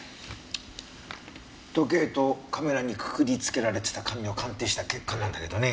時計とカメラにくくりつけられてた紙を鑑定した結果なんけどね。